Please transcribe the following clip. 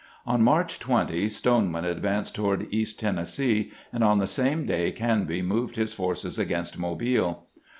On March 20 Stoneman advanced toward east Ten nessee, and on the same day Canby moved his forces against Mobile.